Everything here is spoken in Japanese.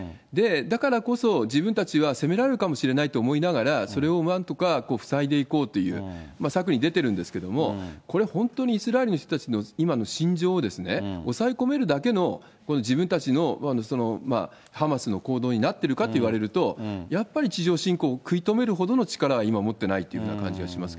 だからこそ、自分たちは攻められるかもしれないと思いながら、それを何とか塞いでいこうという策に出てるんですけれども、これ、本当にイスラエルの人たちの今のしんじょうを押さえ込めるだけの自分たちのハマスの行動になってるかといわれると、やっぱり地上侵攻を食い止めるほどの力は今、持ってないという感じはします